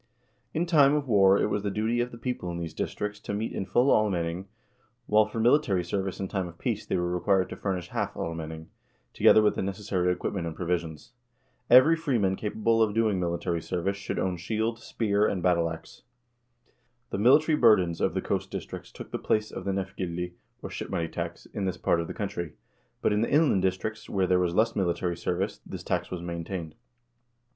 In time of war it was the duty of the people in these districts to meet in full almenning, while for military service in time of peace they were required to furnish half almenning, together with the necessary equipment and provisions. Every freeman capable of doing military service should own shield, spear, and battle ax. The military burdens of the coast districts took the place of the nefgildi, or shipmoney tax, in this part of the country, but in the inland districts, where there was less military service, this tax was maintained.